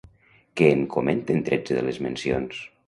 Què en comenten tretze de les mencions?